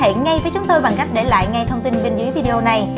liên hệ ngay với chúng tôi bằng cách để lại thông tin bên dưới video này